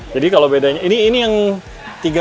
jadi kalau bedanya ini yang tiga belas sembilan juta